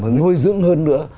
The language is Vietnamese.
nuôi dưỡng hơn nữa